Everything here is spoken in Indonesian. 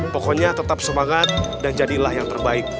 pokoknya tetap semangat dan jadilah yang terbaik